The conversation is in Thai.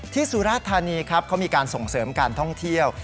สุราธานีครับเขามีการส่งเสริมการท่องเที่ยว